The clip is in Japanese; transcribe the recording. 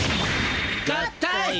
合体！